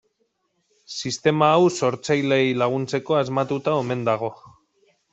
Sistema hau sortzaileei laguntzeko asmatuta omen dago.